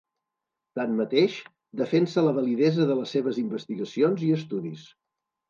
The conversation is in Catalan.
Tanmateix, defensa la validesa de les seves investigacions i estudis.